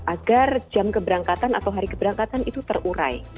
agar jam keberangkatan atau hari keberangkatan itu terurai